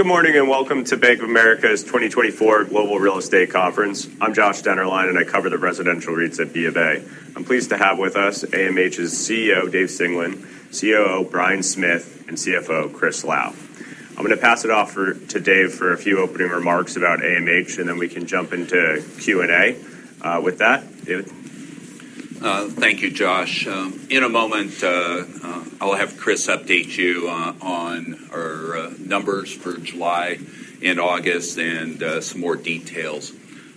Good morning, and welcome to Bank of America's 2024 Global Real Estate Conference. I'm Josh Dennerline, and I cover the residential REITs at B of A. I'm pleased to have with us AMH's CEO, Dave Singelyn, COO, Bryan Smith, and CFO, Chris Lau. I'm gonna pass it off to Dave for a few opening remarks about AMH, and then we can jump into Q&A. With that, David? Thank you, Josh. In a moment, I'll have Chris update you on our numbers for July and August, and some more details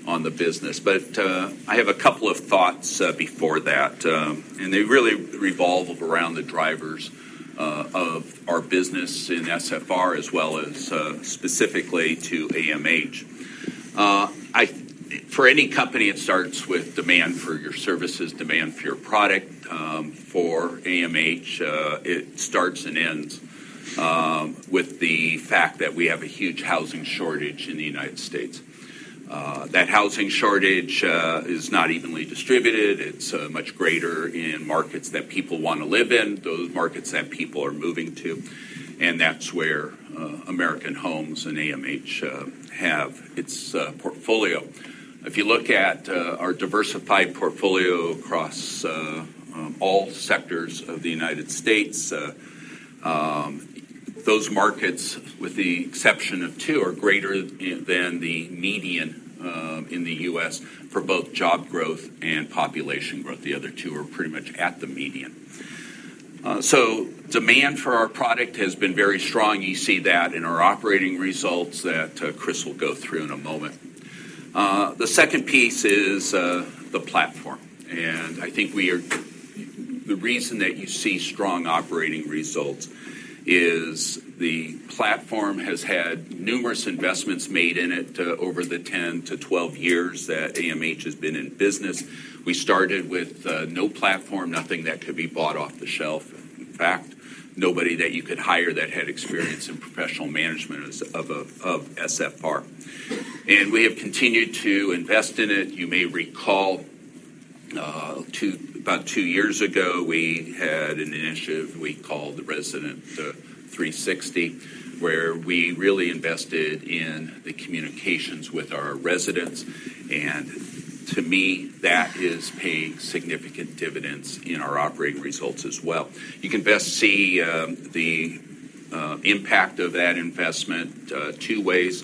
on the business, but I have a couple of thoughts before that, and they really revolve around the drivers of our business in SFR, as well as specifically to AMH. For any company, it starts with demand for your services, demand for your product. For AMH, it starts and ends with the fact that we have a huge housing shortage in the United States. That housing shortage is not evenly distributed. It's much greater in markets that people want to live in, those markets that people are moving to, and that's where American Homes and AMH have its portfolio. If you look at our diversified portfolio across all sectors of the United States, those markets, with the exception of two, are greater than the median in the U.S. for both job growth and population growth. The other two are pretty much at the median. So demand for our product has been very strong. You see that in our operating results that Chris will go through in a moment. The second piece is the platform, and I think we are... The reason that you see strong operating results is the platform has had numerous investments made in it over the 10 to 12 years that AMH has been in business. We started with no platform, nothing that could be bought off the shelf, and in fact, nobody that you could hire that had experience in professional management as of SFR. And we have continued to invest in it. You may recall about two years ago, we had an initiative we called Resident360, where we really invested in the communications with our residents, and to me, that is paying significant dividends in our operating results as well. You can best see the impact of that investment two ways.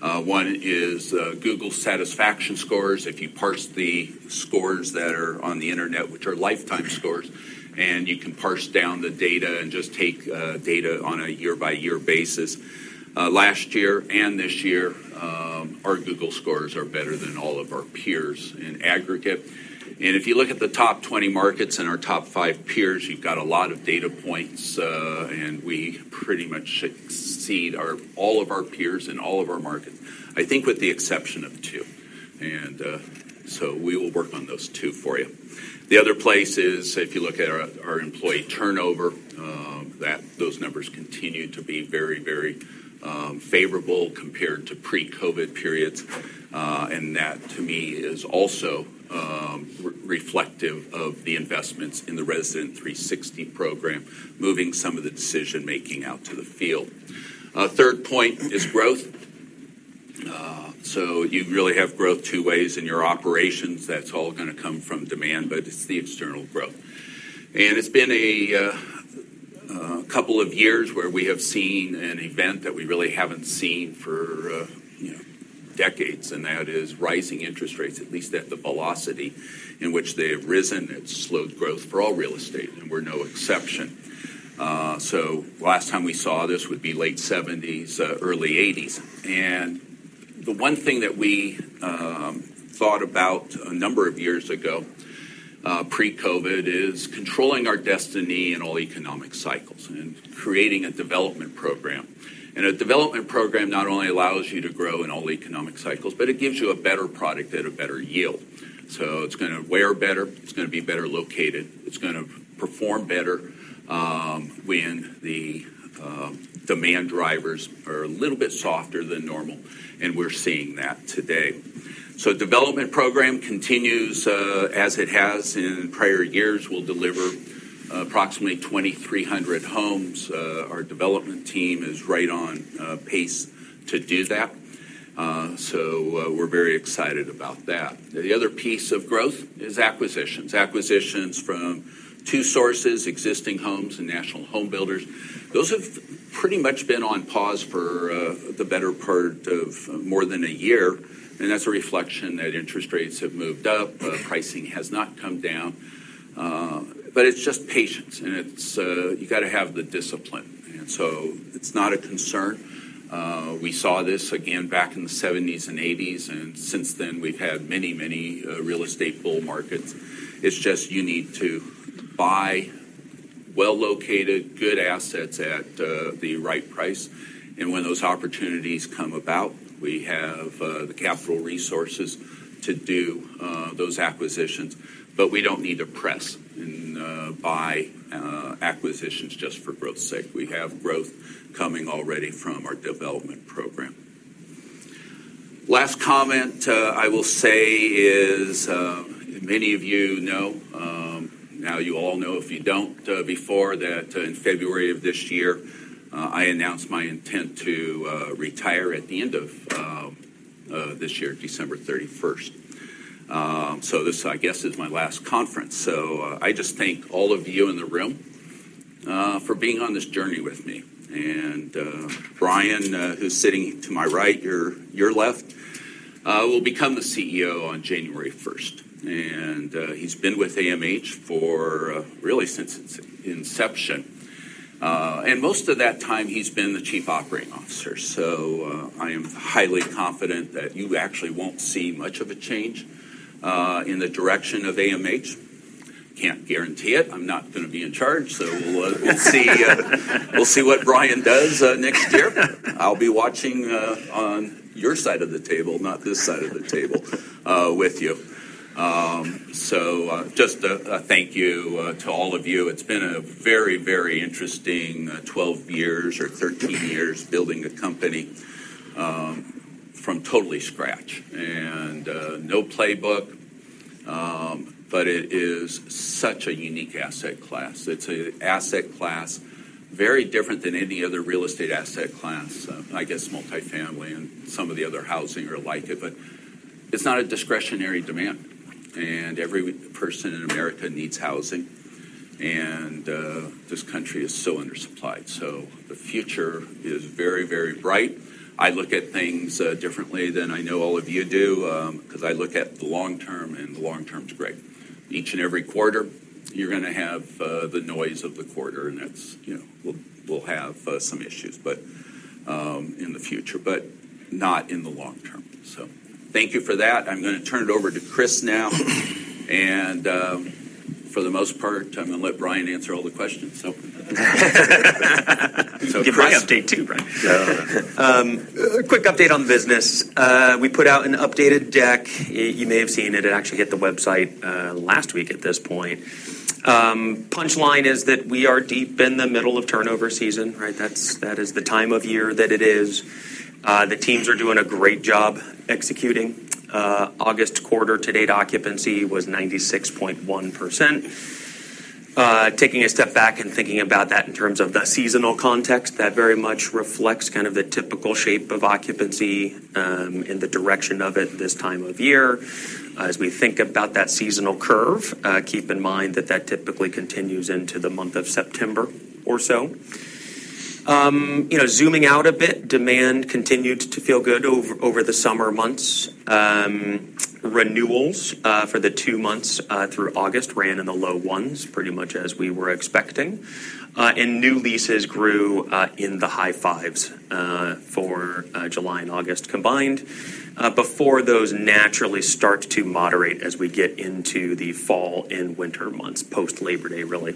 One is Google satisfaction scores. If you parse the scores that are on the internet, which are lifetime scores, and you can parse down the data and just take data on a year-by-year basis. Last year and this year, our Google scores are better than all of our peers in aggregate. If you look at the top 20 markets and our top five peers, you've got a lot of data points, and we pretty much exceed all of our peers in all of our markets, I think, with the exception of two, so we will work on those two for you. The other place is if you look at our employee turnover, those numbers continue to be very favorable compared to pre-COVID periods. And that, to me, is also reflective of the investments in the Resident360 program, moving some of the decision-making out to the field. Third point is growth. You really have growth two ways in your operations. That's all gonna come from demand, but it's the external growth. And it's been a couple of years where we have seen an event that we really haven't seen for, you know, decades, and that is rising interest rates, at least at the velocity in which they have risen. It's slowed growth for all real estate, and we're no exception. So last time we saw this would be late seventies, early eighties. And the one thing that we thought about a number of years ago, pre-COVID, is controlling our destiny in all economic cycles and creating a development program. And a development program not only allows you to grow in all economic cycles, but it gives you a better product at a better yield. So it's gonna wear better, it's gonna be better located, it's gonna perform better, when the demand drivers are a little bit softer than normal, and we're seeing that today. So development program continues, as it has in prior years. We'll deliver approximately 2,300 homes. Our development team is right on pace to do that. So we're very excited about that. The other piece of growth is acquisitions. Acquisitions from two sources, existing homes and national home builders. Those have pretty much been on pause for the better part of more than a year, and that's a reflection that interest rates have moved up, pricing has not come down. But it's just patience, and it's... you gotta have the discipline, and so it's not a concern. We saw this again back in the seventies and eighties, and since then, we've had many, many real estate bull markets. It's just you need to buy well-located, good assets at the right price, and when those opportunities come about, we have the capital resources to do those acquisitions. But we don't need to press and buy acquisitions just for growth's sake. We have growth coming already from our development program. Last comment, I will say is, many of you know, now you all know if you don't, before that, in February of this year, I announced my intent to retire at the end of this year, December thirty-first. So this, I guess, is my last conference. So, I just thank all of you in the room for being on this journey with me. And, Bryan, who's sitting to my right, your left, will become the CEO on January 1st. And, he's been with AMH for really since its inception. And most of that time, he's been the Chief Operating Officer. So, I am highly confident that you actually won't see much of a change in the direction of AMH. Can't guarantee it. I'm not going to be in charge, so we'll see what Brian does next year. I'll be watching on your side of the table, not this side of the table with you. So, just a thank you to all of you. It's been a very, very interesting 12 years or 13 years building a company from total scratch. No playbook, but it is such a unique asset class. It's an asset class very different than any other real estate asset class. I guess multifamily and some of the other housing are like it, but it's not a discretionary demand, and every person in America needs housing, and this country is so undersupplied. The future is very, very bright. I look at things differently than I know all of you do, 'cause I look at the long term, and the long term is great. Each and every quarter, you're going to have the noise of the quarter, and that's, you know, we'll have some issues, but in the future, but not in the long term. So thank you for that. I'm going to turn it over to Chris now, and, for the most part, I'm going to let Bryan answer all the questions, so. So give my update too, Bryan. A quick update on the business. We put out an updated deck. You may have seen it. It actually hit the website last week at this point. Punchline is that we are deep in the middle of turnover season, right? That is the time of year that it is. The teams are doing a great job executing. August quarter to date, occupancy was 96.1%. Taking a step back and thinking about that in terms of the seasonal context, that very much reflects kind of the typical shape of occupancy and the direction of it this time of year. As we think about that seasonal curve, keep in mind that that typically continues into the month of September or so. You know, zooming out a bit, demand continued to feel good over the summer months. Renewals for the two months through August ran in the low ones, pretty much as we were expecting. And new leases grew in the high fives for July and August combined before those naturally start to moderate as we get into the fall and winter months, post Labor Day, really.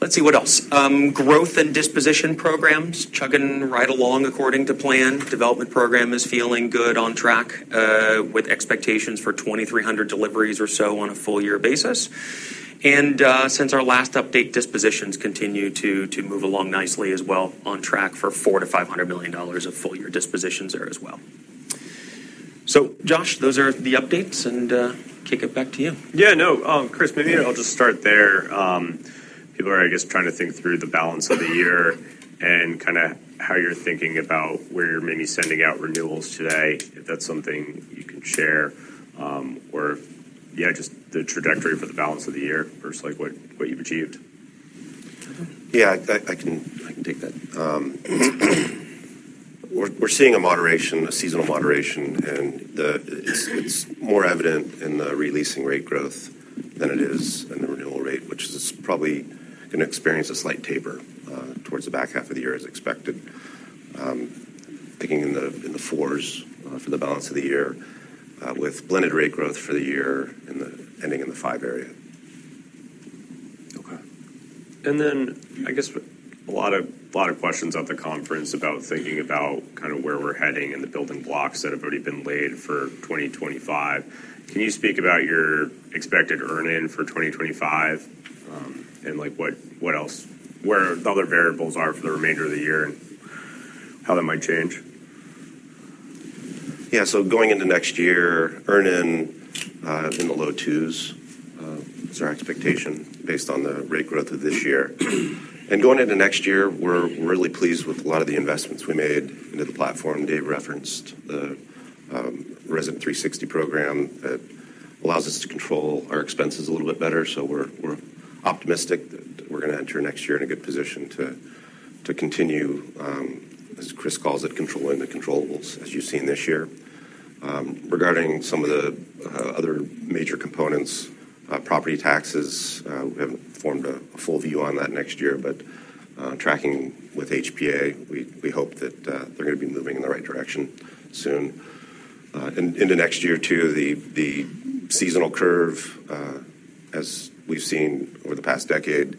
Let's see, what else? Growth and disposition programs, chugging right along according to plan. Development program is feeling good on track with expectations for 2,300 deliveries or so on a full year basis. And since our last update, dispositions continue to move along nicely as well, on track for $400 million-$500 million of full year dispositions there as well. So, Josh, those are the updates, and kick it back to you. Chris, maybe I'll just start there. People are, I guess, trying to think through the balance of the year and kinda how you're thinking about where you're maybe sending out renewals today, if that's something you can share. Or, yeah, just the trajectory for the balance of the year versus, like, what you've achieved. Okay. Yeah, I can take that. We're seeing a moderation, a seasonal moderation, and it's more evident in the re-leasing rate growth than it is in the renewal rate, which is probably going to experience a slight taper towards the back half of the year as expected. Thinking in the fours for the balance of the year with blended rate growth for the year ending in the five area. Okay. And then, I guess, a lot of questions at the conference about thinking about kind of where we're heading and the building blocks that have already been laid for 2025. Can you speak about your expected earn-in for 2025? And, like, what else, where the other variables are for the remainder of the year and how that might change? Yeah, so going into next year, earn-in in the low twos is our expectation based on the rate growth of this year. And going into next year, we're really pleased with a lot of the investments we made into the platform. Dave referenced the Resident360 program that allows us to control our expenses a little bit better. So we're optimistic that we're going to enter next year in a good position to continue, as Chris calls it, controlling the controllables, as you've seen this year. Regarding some of the other major components, property taxes, we haven't formed a full view on that next year, but tracking with HPA, we hope that they're going to be moving in the right direction soon. And in the next year, too, the seasonal curve, as we've seen over the past decade,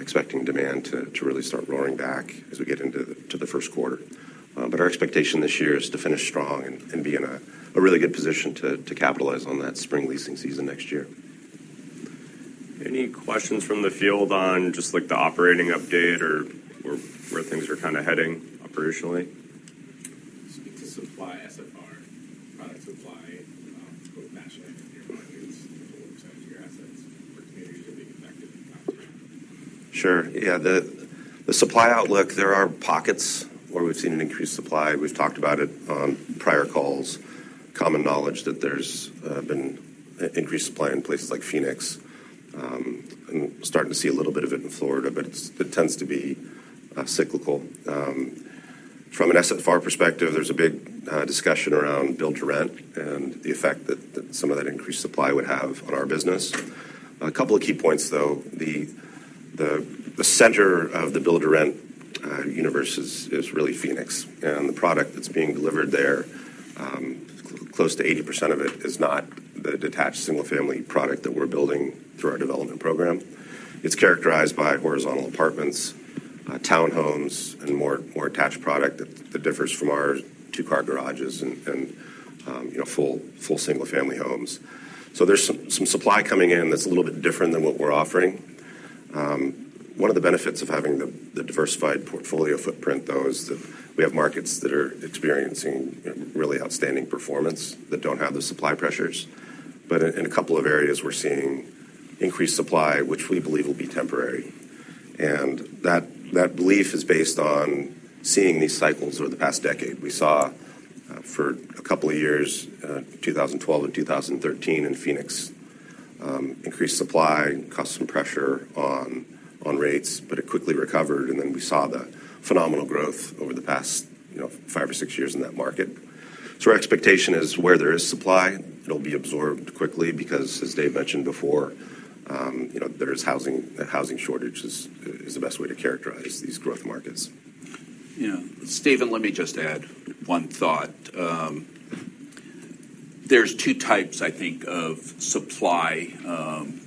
expecting demand to really start roaring back as we get into the first quarter. But our expectation this year is to finish strong and be in a really good position to capitalize on that spring leasing season next year. Any questions from the field on just, like, the operating update or, or where things are kind of heading operationally? Speak to supply SFR, product supply, both nationally and in your markets, in terms of your assets, where you're being affected? Sure. Yeah, the supply outlook, there are pockets where we've seen an increased supply. We've talked about it on prior calls. Common knowledge that there's been increased supply in places like Phoenix, and starting to see a little bit of it in Florida, but it tends to be cyclical. From an SFR perspective, there's a big discussion around build-to-rent and the effect that some of that increased supply would have on our business. A couple of key points, though: the center of the build-to-rent universe is really Phoenix, and the product that's being delivered there, close to 80% of it is not the detached single-family product that we're building through our development program. It's characterized by horizontal apartments, townhomes, and more attached product that differs from our two-car garages and, you know, full single-family homes, so there's some supply coming in that's a little bit different than what we're offering. One of the benefits of having the diversified portfolio footprint, though, is that we have markets that are experiencing really outstanding performance that don't have the supply pressures, but in a couple of areas, we're seeing increased supply, which we believe will be temporary, and that belief is based on seeing these cycles over the past decade. We saw for a couple of years, 2012 and 2013, in Phoenix, increased supply and compression pressure on rates, but it quickly recovered, and then we saw the phenomenal growth over the past, you know, five or six years in that market. So our expectation is where there is supply, it'll be absorbed quickly because, as Dave mentioned before, you know, there's a housing shortage is the best way to characterize these growth markets. Yeah. Steven, let me just add one thought. There's two types, I think, of supply impacts,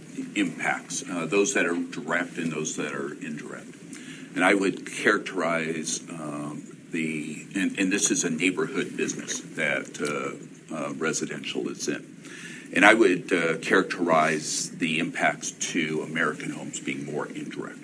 those that are direct and those that are indirect. And this is a neighborhood business that residential is in. And I would characterize the impacts to American Homes being more indirect.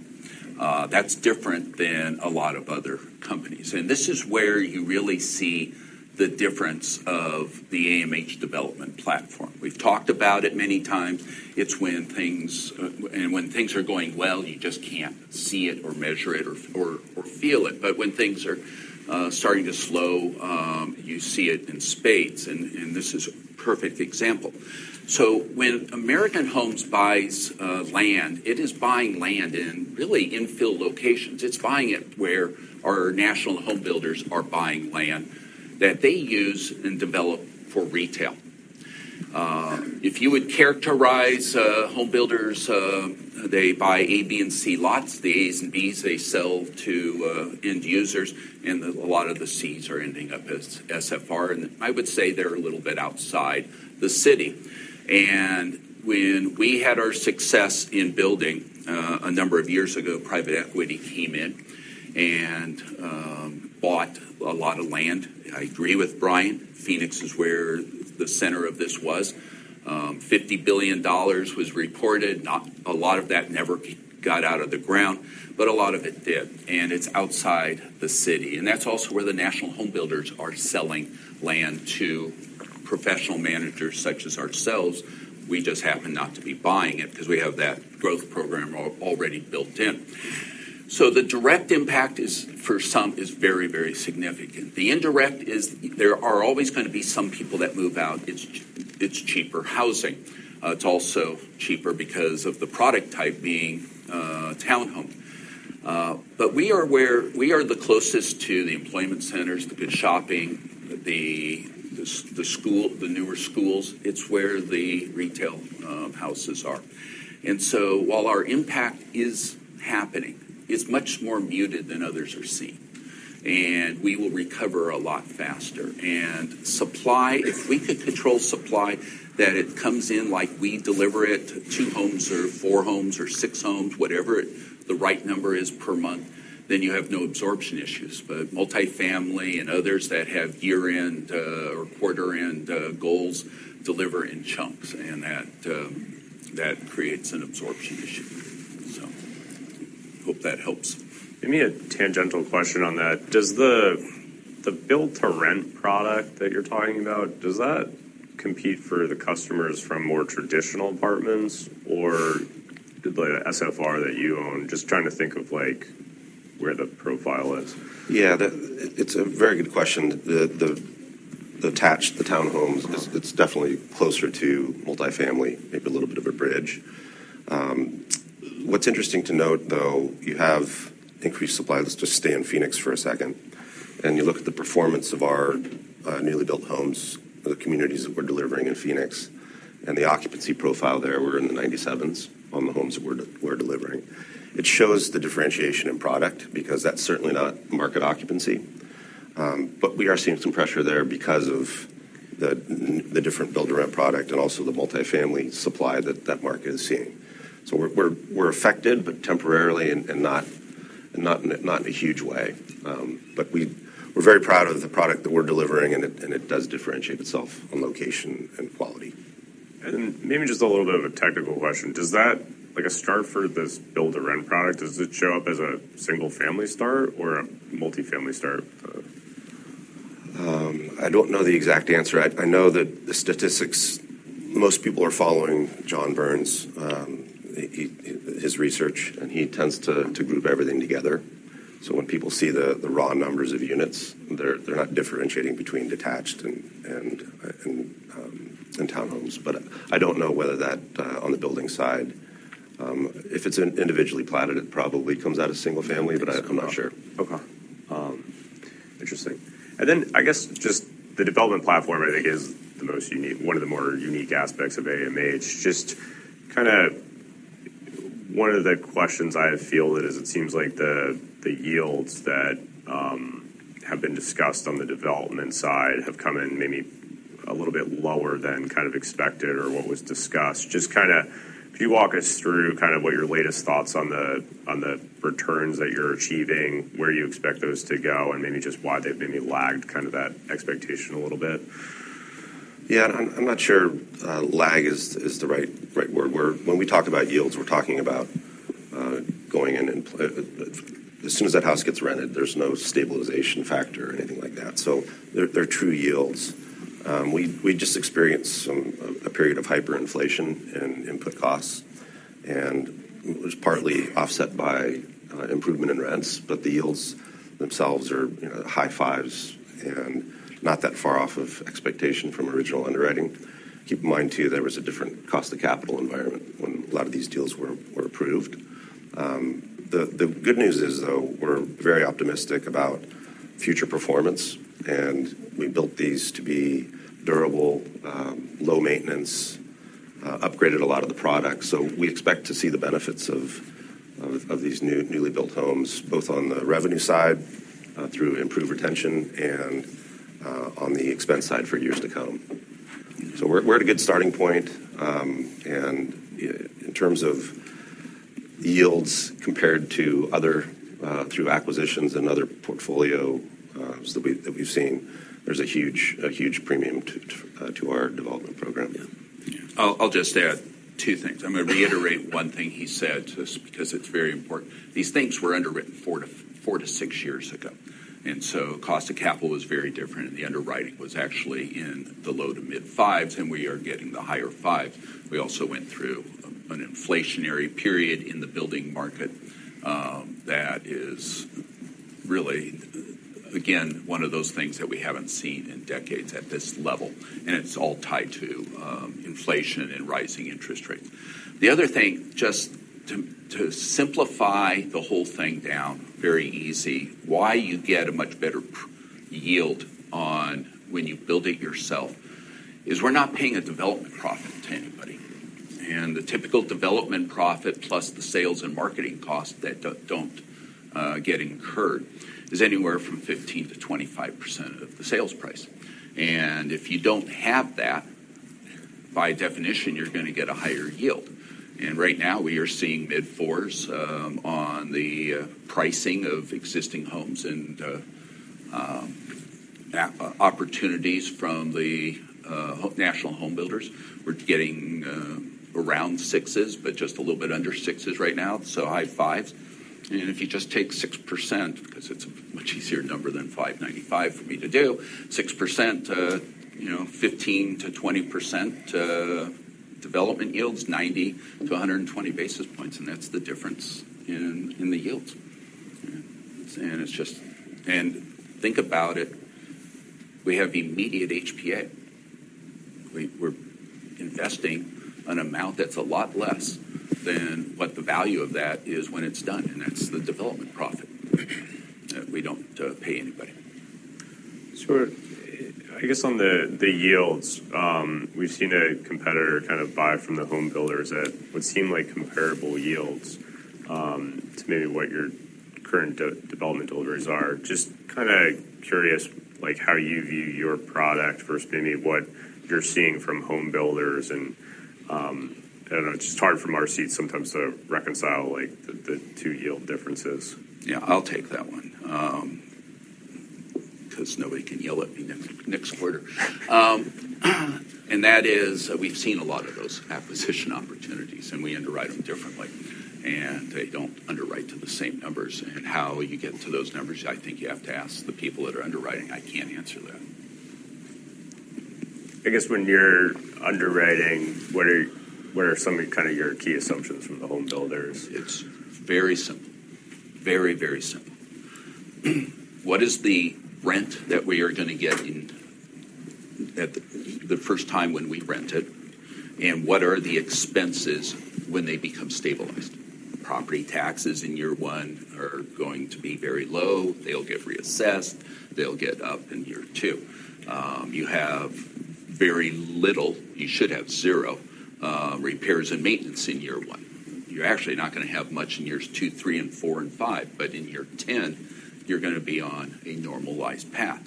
That's different than a lot of other companies. And this is where you really see the difference of the AMH development platform. We've talked about it many times. It's when things are going well, you just can't see it or measure it or feel it. But when things are starting to slow, you see it in spades, and this is a perfect example. So when American Homes buys land, it is buying land in really infill locations. It's buying it where our national homebuilders are buying land that they use and develop for retail. If you would characterize homebuilders, they buy A, B, and C lots. The As and Bs, they sell to end users, and a lot of the Cs are ending up as SFR. I would say they're a little bit outside the city. When we had our success in building a number of years ago, private equity came in and bought a lot of land. I agree with Bryan, Phoenix is where the center of this was. $50 billion was reported. Not a lot of that ever got out of the ground, but a lot of it did, and it's outside the city. That's also where the national homebuilders are selling land to professional managers such as ourselves. We just happen not to be buying it because we have that growth program already built in. So the direct impact is, for some, very, very significant. The indirect is there are always gonna be some people that move out. It's cheaper housing. It's also cheaper because of the product type being a townhome. But we are the closest to the employment centers, the good shopping, the school, the newer schools. It's where the retail houses are. And so while our impact is happening, it's much more muted than others are seeing, and we will recover a lot faster. And supply, if we could control supply, that it comes in like we deliver it, two homes or four homes or six homes, whatever it, the right number is per month, then you have no absorption issues. But multifamily and others that have year-end or quarter-end goals deliver in chunks, and that creates an absorption issue. So hope that helps. Give me a tangential question on that. Does the Build-to-Rent product that you're talking about compete for the customers from more traditional apartments, or the SFR that you own? Just trying to think of, like, where the profile is. Yeah, it's a very good question. The attached townhomes- Mm. It's definitely closer to multifamily, maybe a little bit of a bridge. What's interesting to note, though, you have increased supply. Let's just stay in Phoenix for a second, and you look at the performance of our newly built homes, the communities that we're delivering in Phoenix, and the occupancy profile there. We're in the 97s on the homes that we're delivering. It shows the differentiation in product because that's certainly not market occupancy. But we are seeing some pressure there because of the different build-to-rent product and also the multifamily supply that that market is seeing. So we're affected, but temporarily and not in a huge way. But we're very proud of the product that we're delivering, and it does differentiate itself on location and quality. Maybe just a little bit of a technical question. Does that, like, a start for this build-to-rent product, does it show up as a single-family start or a multifamily start? I don't know the exact answer. I know that the statistics most people are following John Burns, his research, and he tends to group everything together. So when people see the raw numbers of units, they're not differentiating between detached and townhomes. But I don't know whether that on the building side, if it's individually platted, it probably comes out of single-family, but I'm not sure. Okay. Interesting. And then, I guess, just the development platform, I think, is the most unique, one of the more unique aspects of AMH. Just kinda one of the questions I feel that is, it seems like the yields that have been discussed on the development side have come in maybe a little bit lower than kind of expected or what was discussed. Just kinda, can you walk us through kind of what your latest thoughts on the, on the returns that you're achieving, where you expect those to go, and maybe just why they've maybe lagged kind of that expectation a little bit? Yeah. I'm not sure lag is the right word. We're. When we talk about yields, we're talking about going in and as soon as that house gets rented, there's no stabilization factor or anything like that, so they're true yields. We just experienced a period of hyperinflation in input costs, and it was partly offset by improvement in rents, but the yields themselves are, you know, high fives and not that far off of expectation from original underwriting. Keep in mind, too, there was a different cost of capital environment when a lot of these deals were approved. The good news is, though, we're very optimistic about future performance, and we built these to be durable, low maintenance, upgraded a lot of the products. So we expect to see the benefits of these newly built homes, both on the revenue side, through improved retention and on the expense side for years to come. So we're at a good starting point, and in terms of yields compared to other through acquisitions and other portfolio that we've seen, there's a huge premium to our development program. Yeah. I'll just add two things. I'm gonna reiterate one thing he said just because it's very important. These things were underwritten four to six years ago, and so cost of capital was very different, and the underwriting was actually in the low to mid-fives, and we are getting the higher fives. We also went through an inflationary period in the building market that is really, again, one of those things that we haven't seen in decades at this level, and it's all tied to inflation and rising interest rates. The other thing, just to simplify the whole thing down very easy, why you get a much better yield on when you build it yourself, is we're not paying a development profit to anybody. The typical development profit, plus the sales and marketing costs that don't get incurred, is anywhere from 15%-25% of the sales price. If you don't have that, by definition, you're gonna get a higher yield. Right now, we are seeing mid-fours on the pricing of existing homes and opportunities from the national home builders. We're getting around sixes, but just a little bit under sixes right now, so high fives. If you just take 6%, 'cause it's a much easier number than 5.95% for me to do, 6%, you know, 15%-20% development yields, 90-120 basis points, and that's the difference in the yields. Yeah. It's just... Think about it. We have immediate HPA. We're investing an amount that's a lot less than what the value of that is when it's done, and that's the development profit. We don't pay anybody. So I guess on the yields, we've seen a competitor kind of buy from the home builders at what seem like comparable yields to maybe what your current development deliveries are. Just kinda curious, like, how you view your product versus maybe what you're seeing from home builders and... I don't know, it's just hard from our seat sometimes to reconcile, like, the two yield differences. Yeah, I'll take that one, 'cause nobody can yell at me next quarter, and that is, we've seen a lot of those acquisition opportunities, and we underwrite them differently, and they don't underwrite to the same numbers, and how you get to those numbers, I think you have to ask the people that are underwriting. I can't answer that. I guess when you're underwriting, what are some of kind of your key assumptions from the home builders? It's very simple. Very, very simple. What is the rent that we are gonna get at the first time when we rent it? And what are the expenses when they become stabilized? Property taxes in year one are going to be very low. They'll get reassessed. They'll get up in year two. You have very little, you should have zero repairs and maintenance in year one. You're actually not gonna have much in years two, three, and four, and five, but in year 10, you're gonna be on a normalized path.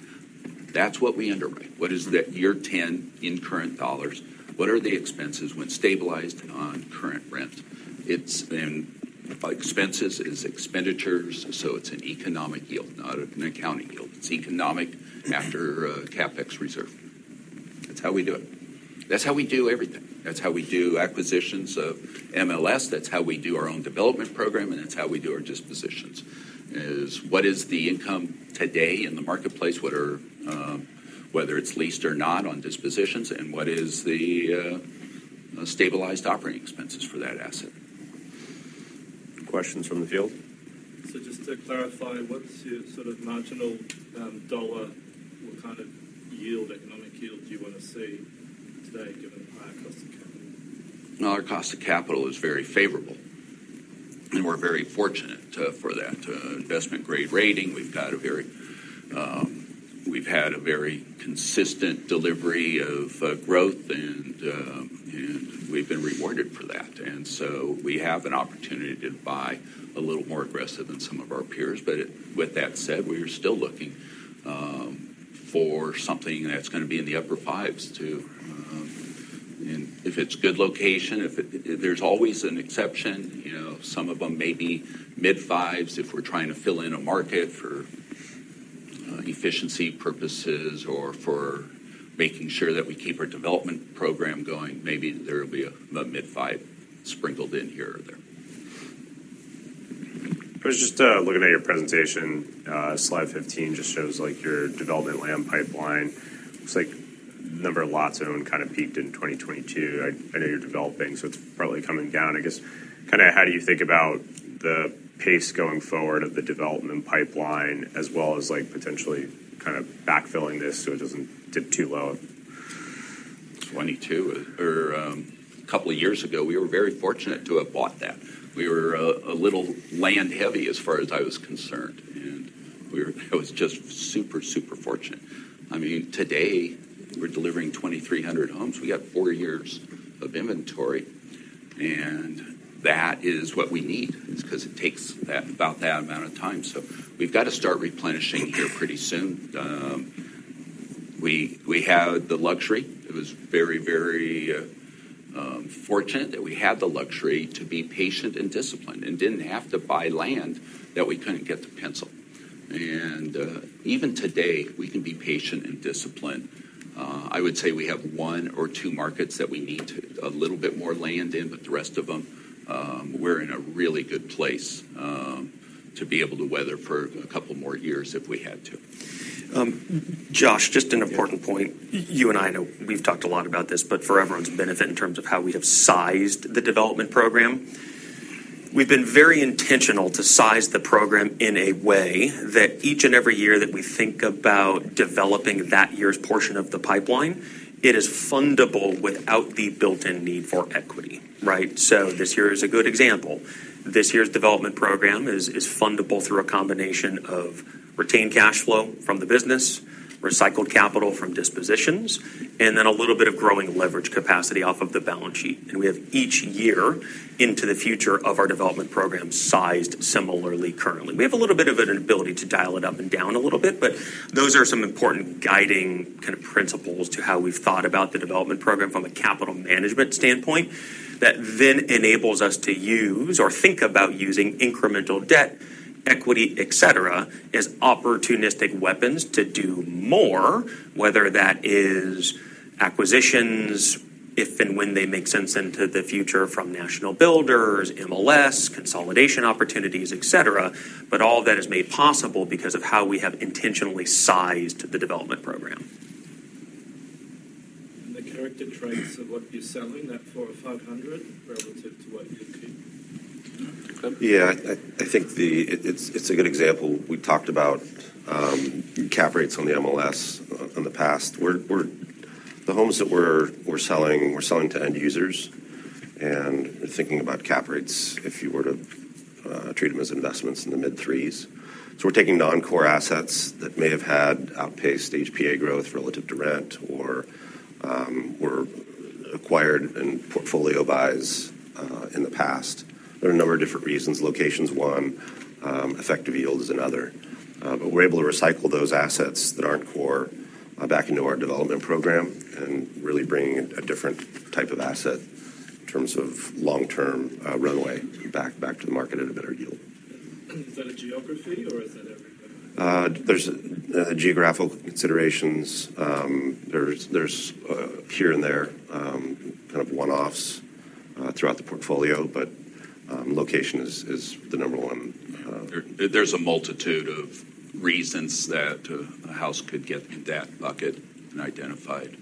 That's what we underwrite. What is that year 10 in current dollars? What are the expenses when stabilized on current rent? It's, and by expenses, is expenditures, so it's an economic yield, not an accounting yield. It's economic after CapEx reserve. That's how we do it. That's how we do everything. That's how we do acquisitions of MLS, that's how we do our own development program, and that's how we do our dispositions, is what is the income today in the marketplace? What are whether it's leased or not on dispositions, and what is the stabilized operating expenses for that asset? Questions from the field? So just to clarify, what's your sort of marginal, dollar? What kind of yield, economic yield do you want to see today, given the higher cost of capital? No, our cost of capital is very favorable, and we're very fortunate for that investment-grade rating. We've got a very. We've had a very consistent delivery of growth, and we've been rewarded for that. And so we have an opportunity to buy a little more aggressive than some of our peers. But with that said, we are still looking for something that's gonna be in the upper fives to. And if it's good location, if there's always an exception. You know, some of them may be mid-fives. If we're trying to fill in a market for efficiency purposes or for making sure that we keep our development program going, maybe there will be a mid-five sprinkled in here or there. I was just looking at your presentation. Slide 15 just shows, like, your development land pipeline. Looks like number of lots owned kinda peaked in 2022. I know you're developing, so it's probably coming down. I guess, kinda, how do you think about the pace going forward of the development pipeline, as well as, like, potentially kind of backfilling this so it doesn't dip too low? 2022, or, a couple of years ago, we were very fortunate to have bought that. We were a little land heavy, as far as I was concerned, and I was just super, super fortunate. I mean, today, we're delivering 2300 homes. We got four years of inventory, and that is what we need, 'cause it takes that, about that amount of time. So we've got to start replenishing here pretty soon. We had the luxury. It was very, very fortunate that we had the luxury to be patient and disciplined and didn't have to buy land that we couldn't get to pencil. And even today, we can be patient and disciplined. I would say we have one or two markets that we need a little bit more land in, but the rest of them, we're in a really good place to be able to weather for a couple more years if we had to. Josh, just an important point. You and I know we've talked a lot about this, but for everyone's benefit, in terms of how we have sized the development program, we've been very intentional to size the program in a way that each and every year that we think about developing that year's portion of the pipeline, it is fundable without the built-in need for equity, right, so this year is a good example. This year's development program is fundable through a combination of retained cash flow from the business, recycled capital from dispositions, and then a little bit of growing leverage capacity off of the balance sheet, and we have each year into the future of our development program sized similarly currently. We have a little bit of an ability to dial it up and down a little bit, but those are some important guiding kind of principles to how we've thought about the development program from a capital management standpoint. That then enables us to use or think about using incremental debt, equity, et cetera, as opportunistic weapons to do more, whether that is acquisitions, if and when they make sense into the future from national builders, MLS, consolidation opportunities, et cetera. But all of that is made possible because of how we have intentionally sized the development program. The character traits of what you're selling, that 400 or 500, relative to what you could keep? Yeah, I think it's a good example. We talked about cap rates on the MLS in the past. The homes that we're selling, we're selling to end users and thinking about cap rates, if you were to treat them as investments in the mid-threes. So we're taking non-core assets that may have had outpaced HPA growth relative to rent or were acquired in portfolio buys in the past. There are a number of different reasons, location's one, effective yield is another. But we're able to recycle those assets that aren't core back into our development program and really bring a different type of asset in terms of long-term runway back to the market at a better yield. Is that a geography or is that everything? There's geographical considerations. There's here and there kind of one-offs throughout the portfolio, but location is the number one. There, there's a multitude of reasons that a house could get in that bucket and identified.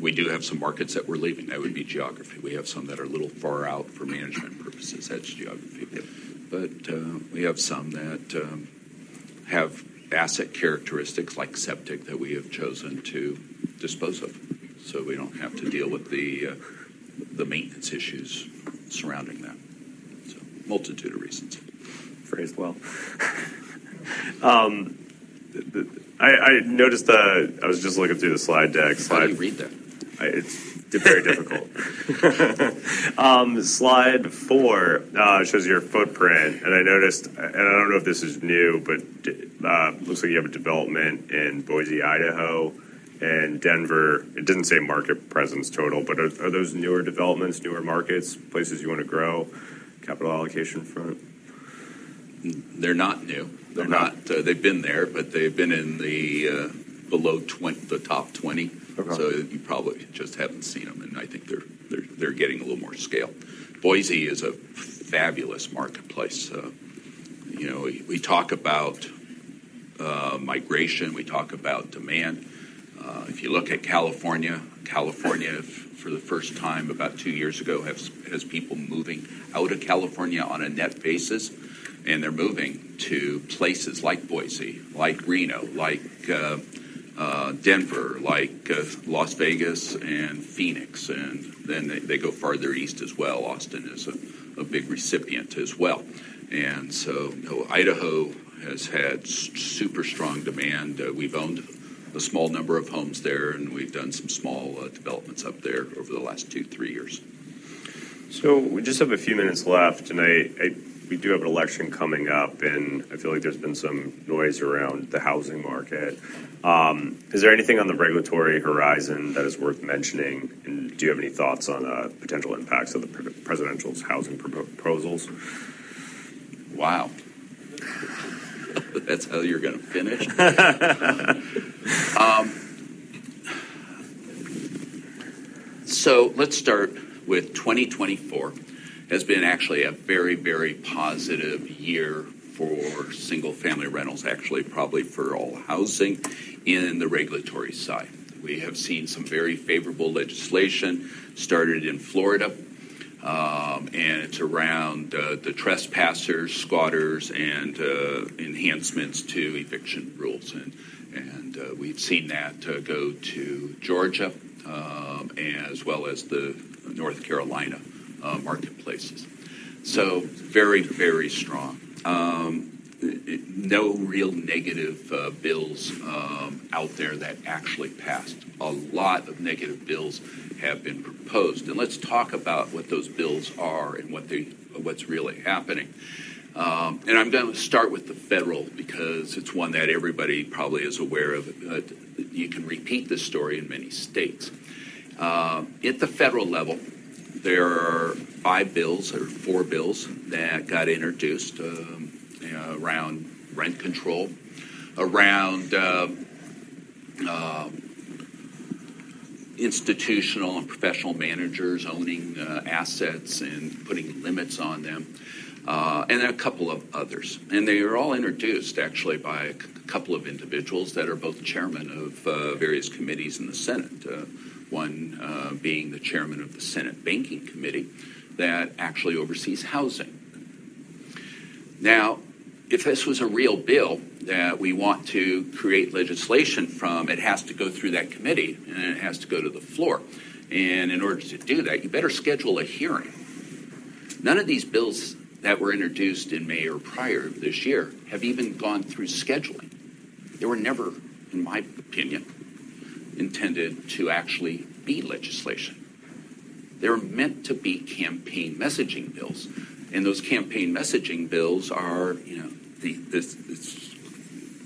We do have some markets that we're leaving. That would be geography. We have some that are a little far out for management purposes. That's geography. Yeah. But, we have some that have asset characteristics, like septic, that we have chosen to dispose of, so we don't have to deal with the maintenance issues surrounding that. Multitude of reasons. Phrased well. I noticed I was just looking through the slide deck slide- How do you read that? It's very difficult. Slide four shows your footprint, and I noticed... and I don't know if this is new, but it looks like you have a development in Boise, Idaho, and Denver. It didn't say market presence total, but are those newer developments, newer markets, places you want to grow, capital allocation front? They're not new. Okay. They're not. They've been there, but they've been in the top 20. Okay. So you probably just haven't seen them, and I think they're getting a little more scale. Boise is a fabulous marketplace. You know, we talk about migration, we talk about demand. If you look at California, for the first time, about two years ago, has people moving out of California on a net basis, and they're moving to places like Boise, like Reno, like Denver, like Las Vegas and Phoenix, and then they go farther east as well. Austin is a big recipient as well. And so Idaho has had super strong demand. We've owned a small number of homes there, and we've done some small developments up there over the last two, three years. So we just have a few minutes left, and we do have an election coming up, and I feel like there's been some noise around the housing market. Is there anything on the regulatory horizon that is worth mentioning? And do you have any thoughts on potential impacts of the presidential's housing proposals? Wow! That's how you're gonna finish? So let's start with 2024 has been actually a very, very positive year for single-family rentals, actually, probably for all housing in the regulatory side. We have seen some very favorable legislation started in Florida, and it's around the trespassers, squatters, and enhancements to eviction rules, and we've seen that go to Georgia, as well as the North Carolina marketplaces. So very, very strong. No real negative bills out there that actually passed. A lot of negative bills have been proposed, and let's talk about what those bills are and what they—what's really happening. And I'm gonna start with the federal because it's one that everybody probably is aware of. You can repeat this story in many states At the federal level, there are five bills or four bills that got introduced around rent control, around institutional and professional managers owning assets and putting limits on them and a couple of others. And they were all introduced actually by a couple of individuals that are both chairman of various committees in the Senate, one being the chairman of the Senate Banking Committee that actually oversees housing. Now, if this was a real bill that we want to create legislation from, it has to go through that committee, and it has to go to the floor. And in order to do that, you better schedule a hearing. None of these bills that were introduced in May or prior this year have even gone through scheduling. They were never, in my opinion, intended to actually be legislation. They're meant to be campaign messaging bills, and those campaign messaging bills are, you know, this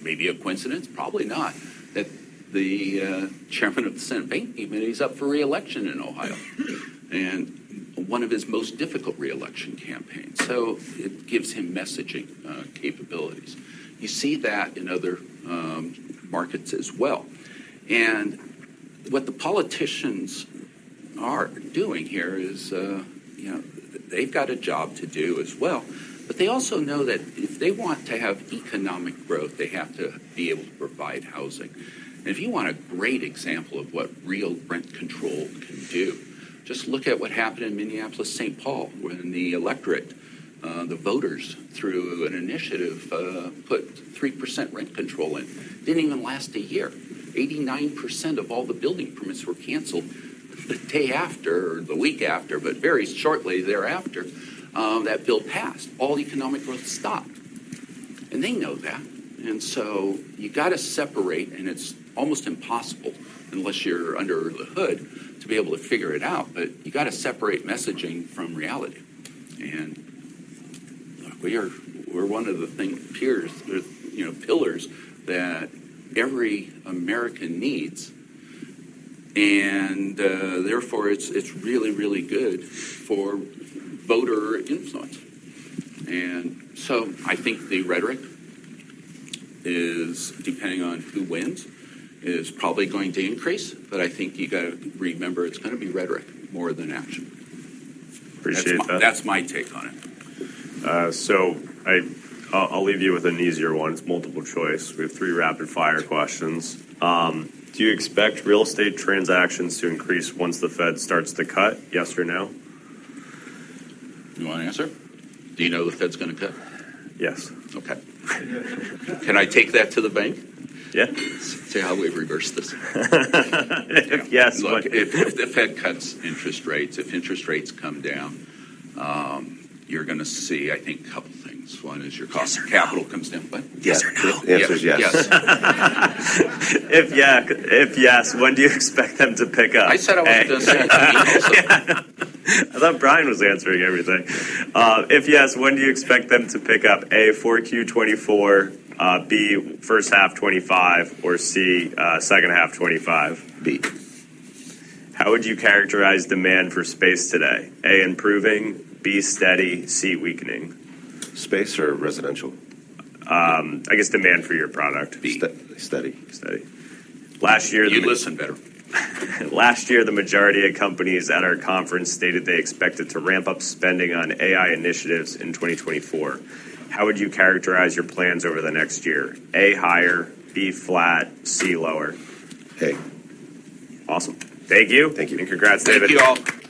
may be a coincidence, probably not, that the chairman of the Senate Banking Committee, he's up for re-election in Ohio, and one of his most difficult re-election campaigns, so it gives him messaging capabilities. You see that in other markets as well. And what the politicians are doing here is, you know, they've got a job to do as well, but they also know that if they want to have economic growth, they have to be able to provide housing. And if you want a great example of what real rent control can do, just look at what happened in Minneapolis-Saint Paul, when the electorate, the voters, through an initiative, put 3% rent control in. Didn't even last a year. 89% of all the building permits were canceled the day after or the week after, but very shortly thereafter, that bill passed. All economic growth stopped, and they know that. So you got to separate, and it's almost impossible, unless you're under the hood, to be able to figure it out, but you got to separate messaging from reality. We are, we're one of the thing, peers, you know, pillars that every American needs, and, therefore, it's, it's really, really good for voter influence. So I think the rhetoric is, depending on who wins, is probably going to increase, but I think you got to remember, it's gonna be rhetoric more than action. Appreciate that. That's, that's my take on it. So I'll leave you with an easier one. It's multiple choice. We have three rapid-fire questions. Do you expect real estate transactions to increase once the Fed starts to cut? Yes or no? You want to answer? Do you know the Fed's gonna cut? Yes. Okay. Can I take that to the bank? Yeah. See how we reverse this. Yes, but- Look, if the Fed cuts interest rates, if interest rates come down, you're gonna see, I think, a couple of things. One is your cost- Yes or no?... of capital comes down. Yes or no? The answer is yes. If yes, when do you expect them to pick up? I said I wasn't gonna say anything. Yeah, I know. I thought Bryan was answering everything. If yes, when do you expect them to pick up? A, 4Q 2024, B, first half 2025, or C, second half 2025. B. How would you characterize demand for space today? A, improving, B, steady, C, weakening. Space or residential? I guess demand for your product. St- steady. Steady. Last year- You listen better. Last year, the majority of companies at our conference stated they expected to ramp up spending on AI initiatives in 2024. How would you characterize your plans over the next year? A, higher, B, flat, C, lower. A. Awesome. Thank you. Thank you. Congrats, David. Thank you, all.